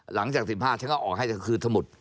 หลังจาก๑๕ฉันก็ออกให้ก็คือสมุด